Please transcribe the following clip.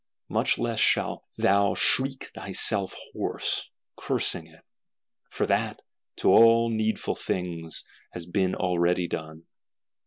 Much less shalt thou shriek thyself hoarse, cursing it; for that, to all needful lengths, has been already done.